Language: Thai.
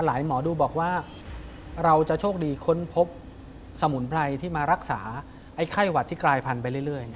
หมอดูบอกว่าเราจะโชคดีค้นพบสมุนไพรที่มารักษาไอ้ไข้หวัดที่กลายพันธุไปเรื่อย